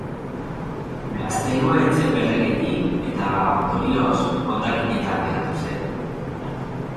Gaztelua ez zen berreraiki, eta, ondorioz, hondakinetan geratu zen.